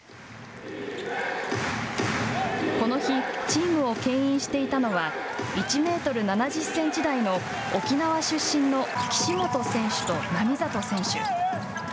この日チームをけん引していたのは１メートル７０センチ台の沖縄出身の岸本選手と並里選手。